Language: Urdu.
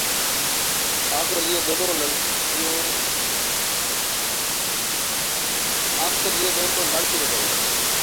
آخر یہ دونوں لڑ کیوں رہے ہیں